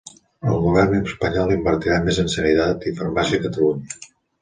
El govern espanyol invertirà més en sanitat i farmàcia a Catalunya